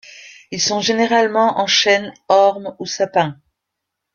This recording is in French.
Ils sont généralement en chêne, orme ou sapin.